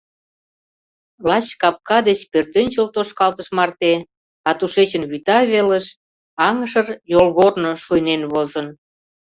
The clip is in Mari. Лач капка деч пӧртӧнчыл тошкалтыш марте, а тушечын вӱта велыш, аҥышыр йолгорно шуйнен возын.